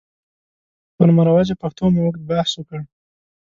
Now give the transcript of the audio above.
پر مروجه پښتو مو اوږد بحث وکړ.